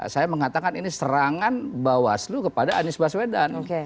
saya mengatakan ini serangan bawaslu kepada anies baswedan